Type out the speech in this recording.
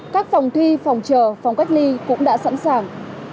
các phòng thi phòng chờ phòng cách ly cũng đã sẵn sàng